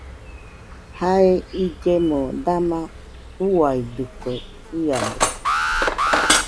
Jae illemo dama uiadɨkue iade.